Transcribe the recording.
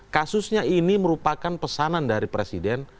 kasusnya ini merupakan pesanan dari presiden